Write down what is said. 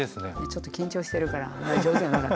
ちょっと緊張してるからあんまり上手じゃなかった。